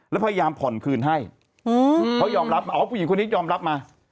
แล้วพยายามผ่อนคืนให้เขายอมรับมาอ๋อผู้หญิงคนนี้ยอมรับมา